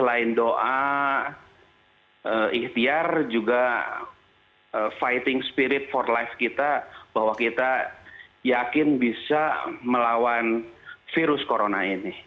selain doa ikhtiar juga fighting spirit for life kita bahwa kita yakin bisa melawan virus corona ini